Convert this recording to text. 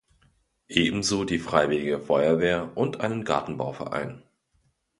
Ebenso die Freiwillige Feuerwehr und einen Gartenbauverein.